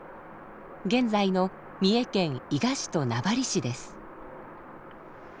現在の三重県伊賀市と名張市です。